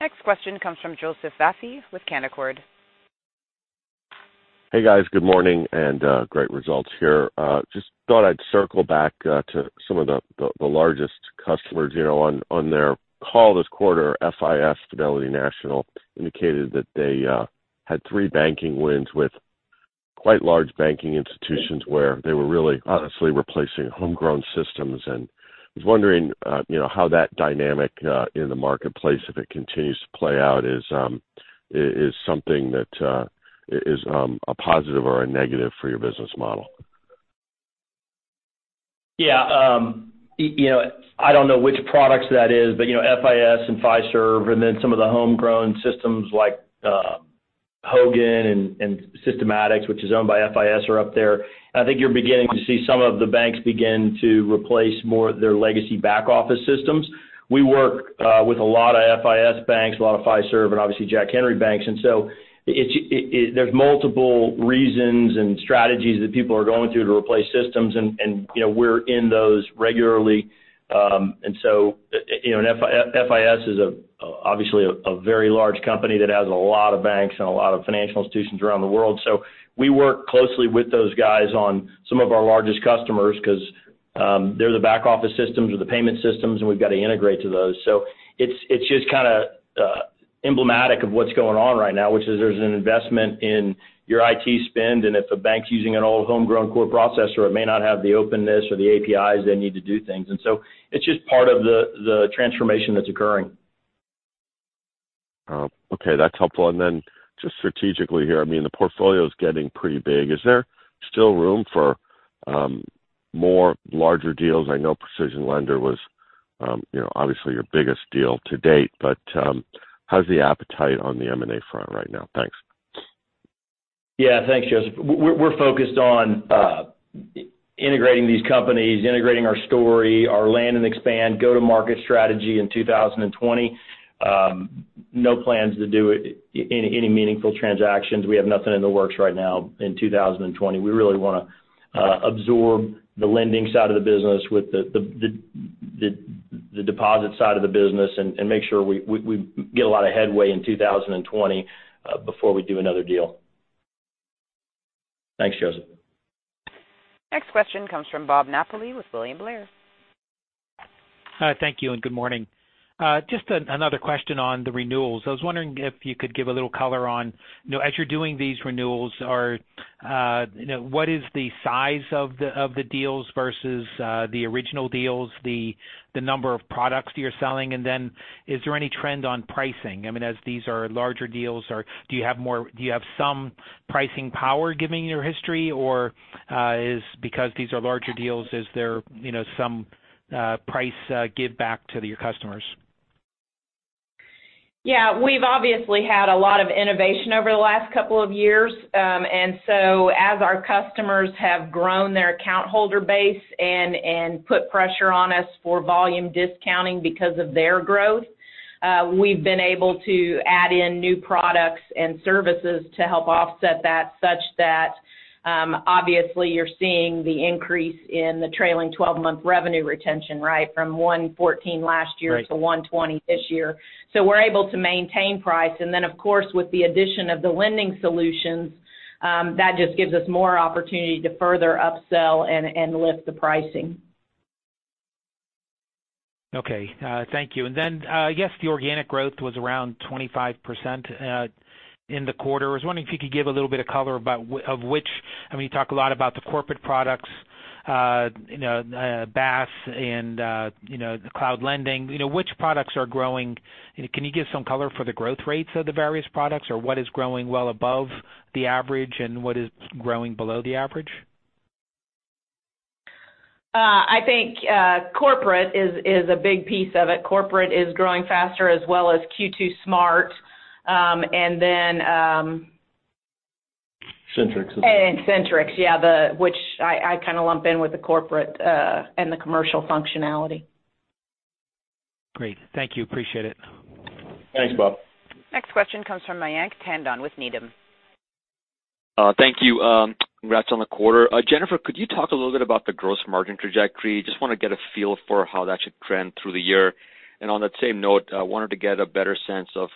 Next question comes from Joseph Vafi with Canaccord. Hey, guys. Good morning, great results here. Just thought I'd circle back to some of the largest customers. On their call this quarter, FIS, Fidelity National indicated that they had three banking wins with quite large banking institutions where they were really honestly replacing homegrown systems. I was wondering how that dynamic in the marketplace, if it continues to play out, is something that is a positive or a negative for your business model. Yeah. I don't know which products that is, but FIS and Fiserv and then some of the homegrown systems like Hogan and Systematics, which is owned by FIS, are up there. I think you're beginning to see some of the banks begin to replace more of their legacy back office systems. We work with a lot of FIS banks, a lot of Fiserv, and obviously Jack Henry banks. There's multiple reasons and strategies that people are going through to replace systems and we're in those regularly. FIS is obviously a very large company that has a lot of banks and a lot of financial institutions around the world. We work closely with those guys on some of our largest customers because, they're the back office systems or the payment systems, and we've got to integrate to those. It's just kind of emblematic of what's going on right now, which is there's an investment in your IT spend, and if a bank's using an old homegrown core processor, it may not have the openness or the APIs they need to do things. It's just part of the transformation that's occurring. Okay, that's helpful. Just strategically here, the portfolio is getting pretty big. Is there still room for more larger deals? I know PrecisionLender was obviously your biggest deal to date, but how's the appetite on the M&A front right now? Thanks. Yeah. Thanks, Joseph. We're focused on integrating these companies, integrating our story, our land and expand go-to-market strategy in 2020. No plans to do any meaningful transactions. We have nothing in the works right now in 2020. We really want to absorb the lending side of the business with the deposit side of the business and make sure we get a lot of headway in 2020 before we do another deal. Thanks, Joseph. Next question comes from Bob Napoli with William Blair. Hi, thank you, and good morning. Just another question on the renewals. I was wondering if you could give a little color on, as you're doing these renewals, what is the size of the deals versus the original deals, the number of products that you're selling? Is there any trend on pricing? As these are larger deals, do you have some pricing power given your history, or because these are larger deals, is there some price giveback to your customers? We've obviously had a lot of innovation over the last couple of years. As our customers have grown their account holder base and put pressure on us for volume discounting because of their growth, we've been able to add in new products and services to help offset that, such that obviously you're seeing the increase in the trailing 12-month revenue retention, from 114% last year to 120 this year. Right. We're able to maintain price. Of course, with the addition of the lending solutions, that just gives us more opportunity to further upsell and lift the pricing. Okay. Thank you. I guess the organic growth was around 25% in the quarter. I was wondering if you could give a little bit of color about. You talk a lot about the corporate products, BaaS and the Cloud Lending. Which products are growing? Can you give some color for the growth rates of the various products, or what is growing well above the average and what is growing below the average? I think corporate is a big piece of it. Corporate is growing faster as well as Q2 SMART. Centrix as well. Centrix, yeah, which I kind of lump in with the corporate and the commercial functionality. Great. Thank you. Appreciate it. Thanks, Bob. Next question comes from Mayank Tandon with Needham. Thank you. Congrats on the quarter. Jennifer, could you talk a little bit about the gross margin trajectory? Just want to get a feel for how that should trend through the year. On that same note, I wanted to get a better sense of,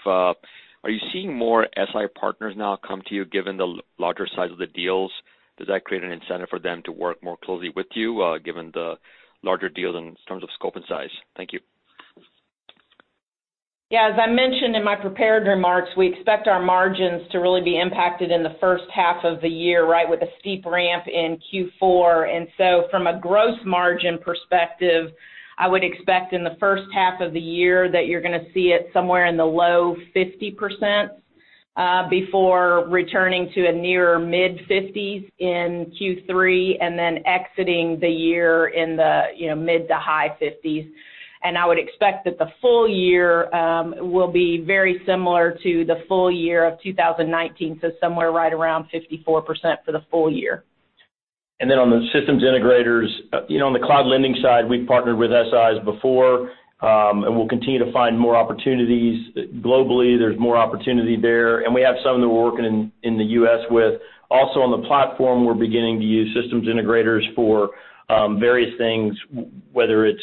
are you seeing more SI partners now come to you, given the larger size of the deals? Does that create an incentive for them to work more closely with you, given the larger deals in terms of scope and size? Thank you. Yeah. As I mentioned in my prepared remarks, we expect our margins to really be impacted in the first half of the year with a steep ramp in Q4. From a gross margin perspective, I would expect in the first half of the year that you're going to see it somewhere in the low 50% before returning to a nearer mid-50s in Q3, and then exiting the year in the mid to high 50s. I would expect that the full year will be very similar to the full year of 2019, so somewhere right around 54% for the full year. Then on the systems integrators, on the Cloud Lending side, we've partnered with SIs before, and we'll continue to find more opportunities. Globally, there's more opportunity there, and we have some that we're working in the U.S. with. Also on the platform, we're beginning to use systems integrators for various things, whether it's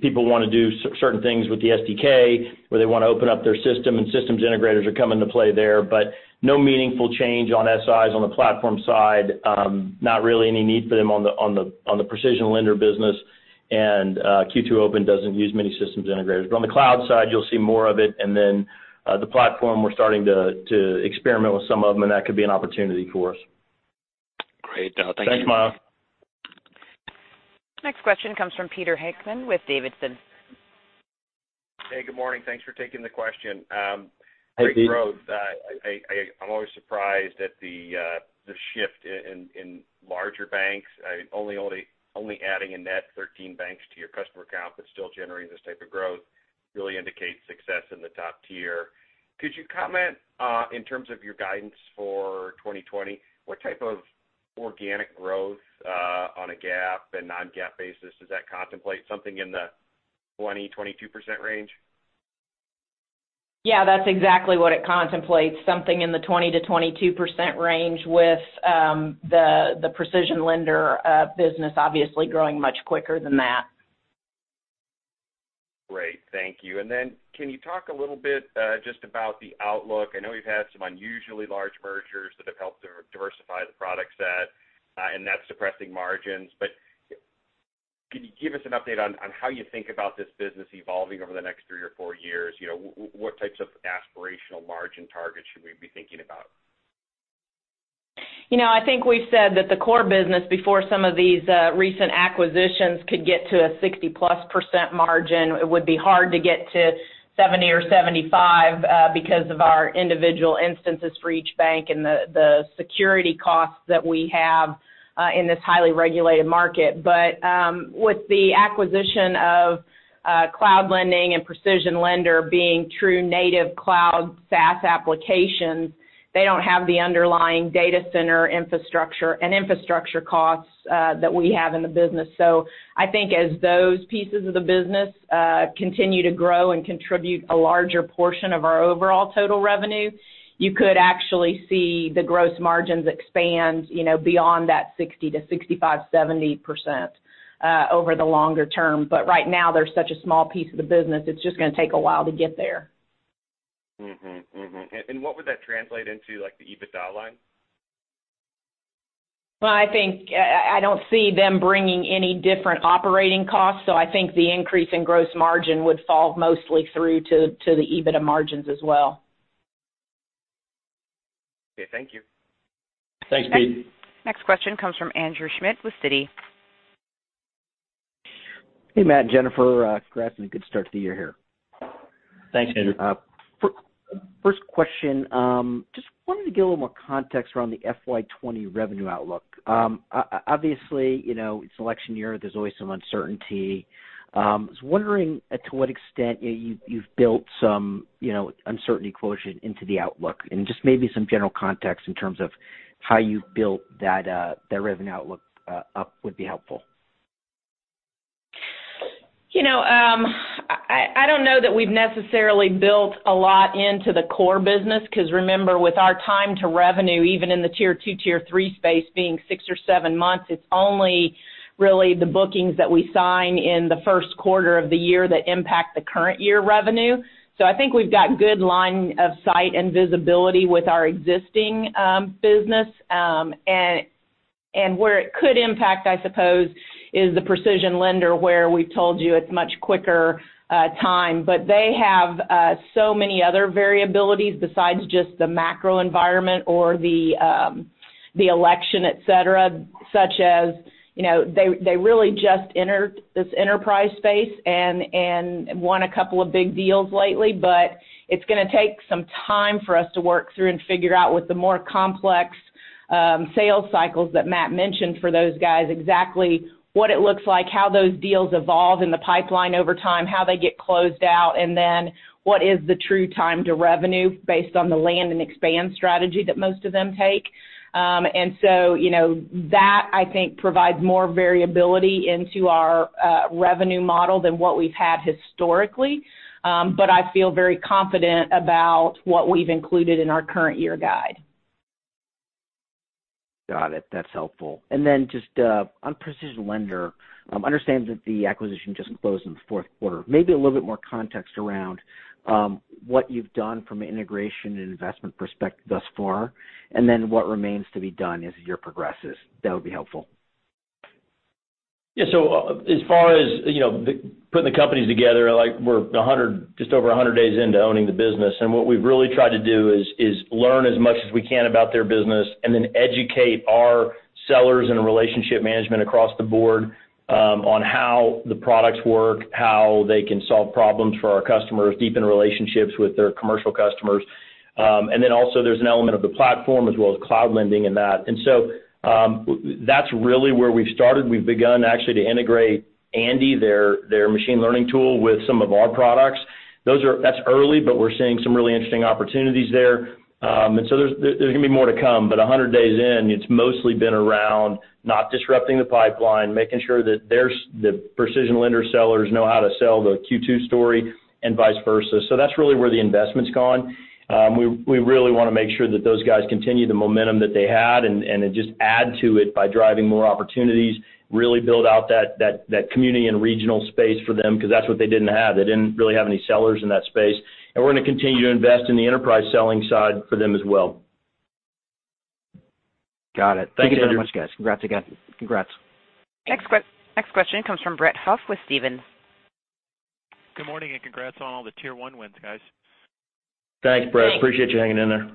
people want to do certain things with the SDK, or they want to open up their system and systems integrators are coming to play there. No meaningful change on SIs on the platform side. Not really any need for them on the PrecisionLender business. Q2 Open doesn't use many systems integrators. On the cloud side, you'll see more of it, then the platform, we're starting to experiment with some of them, and that could be an opportunity for us. Great. Thank you. Thanks, Matt. Next question comes from Peter Heckmann with Davidson. Hey, good morning. Thanks for taking the question. Hey, Pete. Great growth. I am always surprised at the shift in larger banks. Only adding a net 13 banks to your customer count but still generating this type of growth really indicates success in the top tier. Could you comment, in terms of your guidance for 2020, what type of organic growth, on a GAAP and non-GAAP basis, does that contemplate? Something in the 20%-22% range? Yeah, that's exactly what it contemplates. Something in the 20%-22% range with the PrecisionLender business obviously growing much quicker than that. Great, thank you. Then can you talk a little bit just about the outlook? I know you've had some unusually large mergers that have helped diversify the product set, and that's suppressing margins. Can you give us an update on how you think about this business evolving over the next three or four years? What types of aspirational margin targets should we be thinking about? I think we've said that the core business, before some of these recent acquisitions, could get to a 60%+ margin. It would be hard to get to 70% or 75% because of our individual instances for each bank and the security costs that we have in this highly regulated market. With the acquisition of Cloud Lending and PrecisionLender being true native cloud SaaS applications, they don't have the underlying data center infrastructure and infrastructure costs that we have in the business. I think as those pieces of the business continue to grow and contribute a larger portion of our overall total revenue, you could actually see the gross margins expand beyond that 60%-65%, 70% over the longer term. Right now, they're such a small piece of the business, it's just going to take a while to get there. Mm-hmm. What would that translate into, like the EBITDA line? Well, I don't see them bringing any different operating costs, so I think the increase in gross margin would fall mostly through to the EBITDA margins as well. Okay, thank you. Thanks, Pete. Next question comes from Andrew Schmidt with Citi. Hey, Matt and Jennifer. Congrats on a good start to the year here. Thanks, Andrew. First question, just wanted to get a little more context around the FY 2020 revenue outlook. Obviously, it's an election year, there's always some uncertainty. I was wondering to what extent you've built some uncertainty quotient into the outlook, and just maybe some general context in terms of how you've built that revenue outlook up would be helpful. I don't know that we've necessarily built a lot into the core business because remember, with our time to revenue, even in the Tier 2, Tier 3 space being six or seven months, it's only really the bookings that we sign in the first quarter of the year that impact the current year revenue. I think we've got good line of sight and visibility with our existing business. Where it could impact, I suppose, is the PrecisionLender, where we've told you it's much quicker time. They have so many other variabilities besides just the macro environment or the election, et cetera, such as they really just entered this enterprise space and won a couple of big deals lately. It's going to take some time for us to work through and figure out with the more complex sales cycles that Matt mentioned for those guys, exactly what it looks like, how those deals evolve in the pipeline over time, how they get closed out, and then what is the true time to revenue based on the land and expand strategy that most of them take. That I think provides more variability into our revenue model than what we've had historically. I feel very confident about what we've included in our current year guide. Got it. That's helpful. Then just on PrecisionLender, understand that the acquisition just closed in the fourth quarter. Maybe a little bit more context around what you've done from an integration and investment perspective thus far, and then what remains to be done as the year progresses. That would be helpful. Yeah. As far as putting the companies together, we're just over 100 days into owning the business. What we've really tried to do is learn as much as we can about their business and then educate our sellers and relationship management across the board on how the products work, how they can solve problems for our customers, deepen relationships with their commercial customers. Also there's an element of the platform as well as Cloud Lending in that. That's really where we've started. We've begun actually to integrate Andi, their machine learning tool, with some of our products. That's early, but we're seeing some really interesting opportunities there. There's going to be more to come. 100 days in, it's mostly been around not disrupting the pipeline, making sure that the PrecisionLender sellers know how to sell the Q2 story and vice versa. That's really where the investment's gone. We really want to make sure that those guys continue the momentum that they had and then just add to it by driving more opportunities, really build out that community and regional space for them because that's what they didn't have. They didn't really have any sellers in that space. We're going to continue to invest in the enterprise selling side for them as well. Got it. Thank you. Thank you so much, guys. Congrats again. Congrats. Next question comes from Brett Huff with Stephens. Good morning and congrats on all the Tier 1 wins, guys. Thanks, Brett. Appreciate you hanging in there.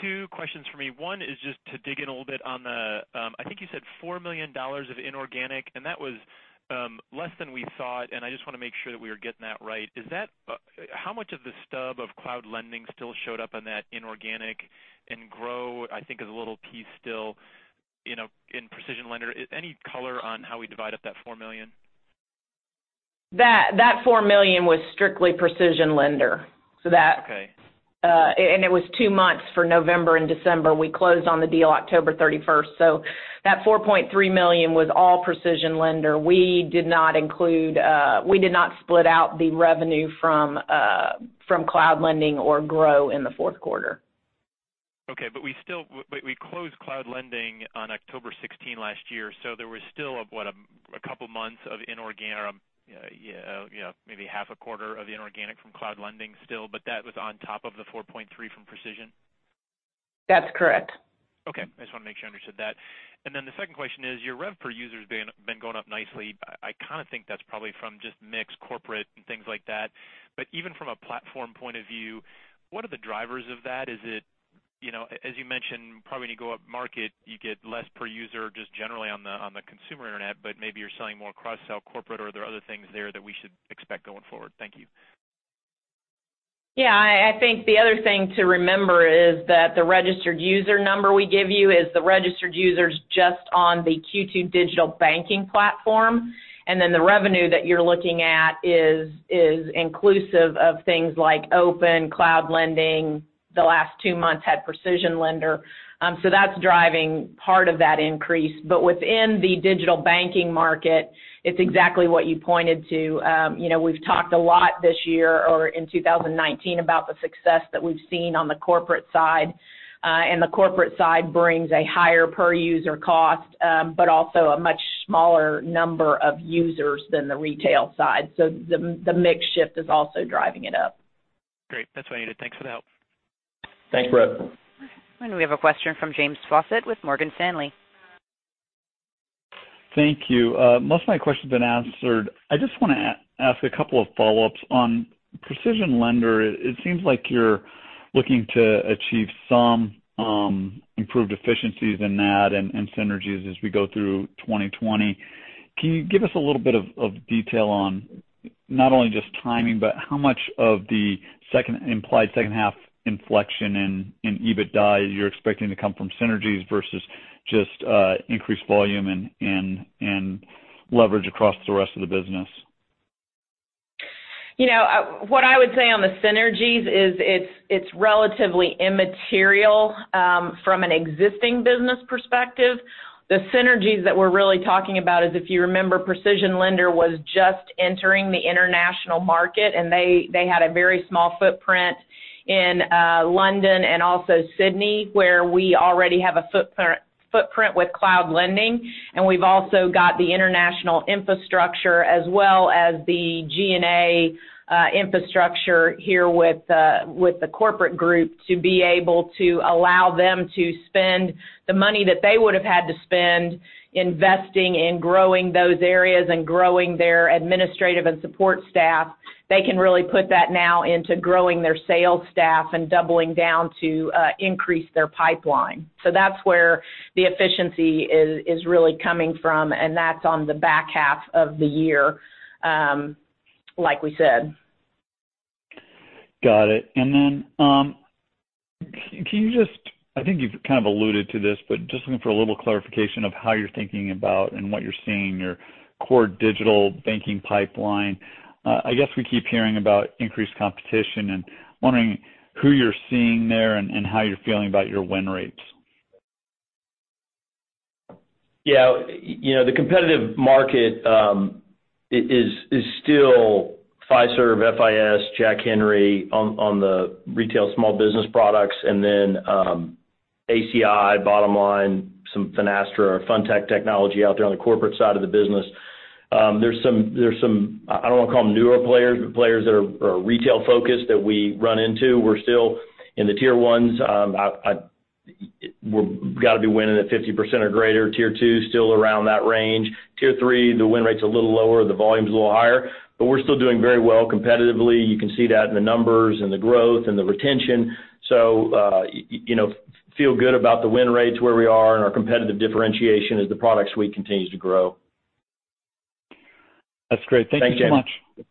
Two questions for me. One is just to dig in a little bit on the, I think you said $4 million of inorganic, and that was less than we saw it, and I just want to make sure that we are getting that right. How much of the stub of Cloud Lending still showed up on that inorganic and Gro, I think is a little piece still, in PrecisionLender? Any color on how we divide up that $4 million? That $4 million was strictly PrecisionLender. Okay. It was two months for November and December. We closed on the deal October 31st, that $4.3 million was all PrecisionLender. We did not split out the revenue from Cloud Lending or Gro in the fourth quarter. Okay. We closed Cloud Lending on October 16 last year, so there was still, what, maybe half a quarter of the inorganic from Cloud Lending still, but that was on top of the $4.3 from Precision? That's correct. Okay. I just wanted to make sure I understood that. The second question is, your rev per user's been going up nicely. I kind of think that's probably from just mix corporate and things like that. Even from a platform point of view, what are the drivers of that? As you mentioned, probably when you go up-market, you get less per user just generally on the consumer internet, but maybe you're selling more cross-sell corporate, or are there other things there that we should expect going forward? Thank you. I think the other thing to remember is that the registered user number we give you is the registered users just on the Q2 digital banking platform. The revenue that you're looking at is inclusive of things like Open, Cloud Lending, the last two months had PrecisionLender. That's driving part of that increase. Within the digital banking market, it's exactly what you pointed to. We've talked a lot this year or in 2019 about the success that we've seen on the corporate side. The corporate side brings a higher per-user cost, but also a much smaller number of users than the retail side. The mix shift is also driving it up. Great. That's what I needed. Thanks for the help. Thanks, Brett. We have a question from James Faucette with Morgan Stanley. Thank you. Most of my question's been answered. I just want to ask a couple of follow-ups. On PrecisionLender, it seems like you're looking to achieve some improved efficiencies in that and synergies as we go through 2020. Can you give us a little bit of detail on not only just timing, but how much of the implied second half inflection in EBITDA you're expecting to come from synergies versus just increased volume and leverage across the rest of the business? What I would say on the synergies is it's relatively immaterial from an existing business perspective. The synergies that we're really talking about is, if you remember, PrecisionLender was just entering the international market, and they had a very small footprint in London and also Sydney, where we already have a footprint with Cloud Lending. We've also got the international infrastructure as well as the G&A infrastructure here with the corporate group to be able to allow them to spend the money that they would've had to spend investing in growing those areas and growing their administrative and support staff. They can really put that now into growing their sales staff and doubling down to increase their pipeline. That's where the efficiency is really coming from, and that's on the back half of the year, like we said. Got it. I think you've kind of alluded to this, but just looking for a little clarification of how you're thinking about and what you're seeing in your core digital banking pipeline. I guess we keep hearing about increased competition, and wondering who you're seeing there and how you're feeling about your win rates. The competitive market is still Fiserv, FIS, Jack Henry on the retail small business products, and then ACI, Bottomline, some Finastra or FinTech technology out there on the corporate side of the business. There's some, I don't want to call them newer players, but players that are retail-focused that we run into. We're still in the Tier 1s. We've got to be winning at 50% or greater. Tier 2, still around that range. Tier 3, the win rate's a little lower, the volume's a little higher. We're still doing very well competitively. You can see that in the numbers and the growth and the retention. Feel good about the win rates where we are and our competitive differentiation as the product suite continues to grow. That's great. Thank you so much. Thanks,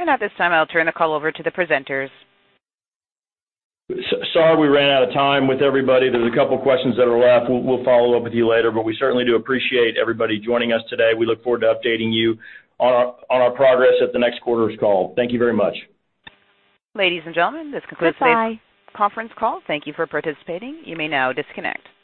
James. At this time, I'll turn the call over to the presenters. Sorry we ran out of time with everybody. There's a couple questions that are left. We'll follow up with you later. We certainly do appreciate everybody joining us today. We look forward to updating you on our progress at the next quarter's call. Thank you very much. Ladies and gentlemen, this concludes today's conference call. Thank you for participating. You may now disconnect.